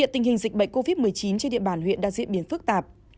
dịch bệnh covid một mươi chín trên địa bàn huyện đang diễn biến phức tạp